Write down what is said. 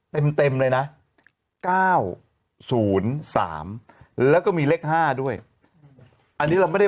เต็มเต็มเลยนะเก้าศูนย์สามแล้วก็มีเลขห้าด้วยอันนี้เราไม่ได้